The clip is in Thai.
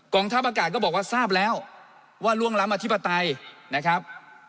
งทัพอากาศก็บอกว่าทราบแล้วว่าล่วงล้ำอธิปไตยนะครับ